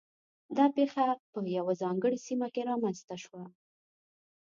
دا پېښه په یوه ځانګړې سیمه کې رامنځته شوه